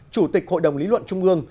chủ tịch hội đồng lý luận trung ương